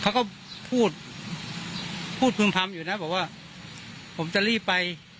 เขาก็พูดพูดพึ่มพำอยู่นะบอกว่าผมจะรีบไป